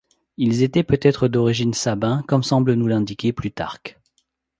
Ils étaient peut-être d'origine sabins comme semble nous l'indiquer Plutarque.